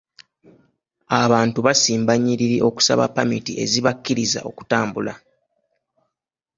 Abantu basimba nnyiriri okusaba pamiti ezibakkiriza okutambula.